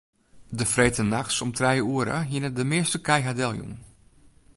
De freedtenachts om trije oere hiene de measte kij har deljûn.